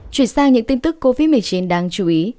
chuyển sang những tin tức covid một mươi chín đáng chú ý